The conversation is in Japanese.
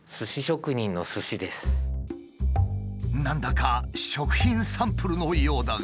何だか食品サンプルのようだが。